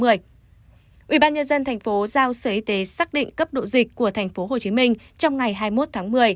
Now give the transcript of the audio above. ubnd tp hcm giao sở y tế xác định cấp độ dịch của tp hcm trong ngày hai mươi một tháng một mươi